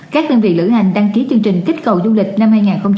các đơn vị lữ hành đăng ký chương trình kích cầu du lịch năm hai nghìn một mươi chín